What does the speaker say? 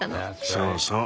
そうそう。